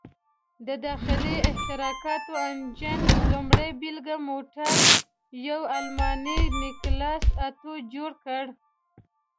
د داخلي احتراقي انجن لومړۍ بېلګه موټر یو الماني نیکلاس اتو جوړ کړ.